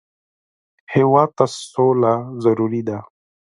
هېواد ته سوله ضروري ده